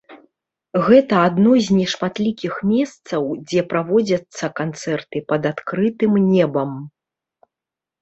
Гэта адно з нешматлікіх месцаў, дзе праводзяцца канцэрты пад адкрытым небам.